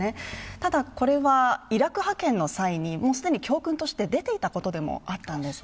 ただ、これはイラク派遣の際にもう既に教訓として出ていたことでもあったんです。